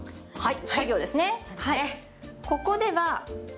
はい。